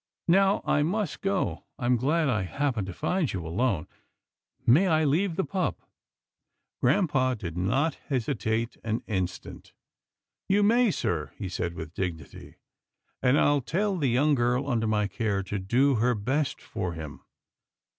Now, I must go. I am glad I happened to find you alone. May I leave the pup? " Grampa did not hesitate an instant. " You may, sir," he said with dignity, " and I'll tell the young girl under my care to do her best for him.